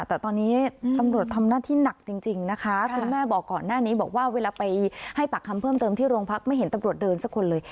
แต่ตอนนี้ตำรวจทำหน้าที่หนักจริงนะคะคุณแม่บอกก่อนหน้านี้บอกว่าเวลาไปให้ปากคำเพิ่มเติมที่โรงพักไม่เห็นตำรวจเดินสักคนเลย